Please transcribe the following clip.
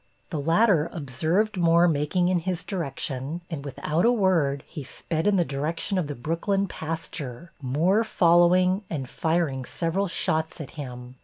The latter observed Moore making in his direction, and, without a word, he sped in the direction of the Brooklyn pasture, Moore following and firing several shots at him.